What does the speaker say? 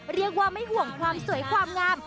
เรียกว่าไม่ห่วงความสวยความงาม